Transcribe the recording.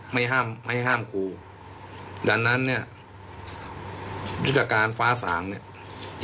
ไม่ห้ามไม่ให้ห้ามครูดังนั้นเนี่ยยุทธการฟ้าสางเนี่ย